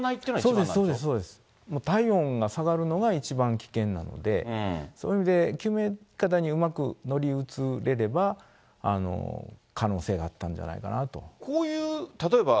そうです、そうです、体温が下がるのが一番危険なので、そういう意味で、救命いかだにうまく乗り移れれば、可能性があったんこういう例えば、